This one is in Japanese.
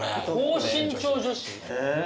高身長女子は。